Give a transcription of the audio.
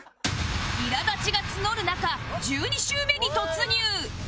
イラ立ちが募る中１２周目に突入